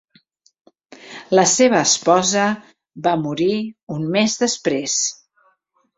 La seva esposa va morir un mes després.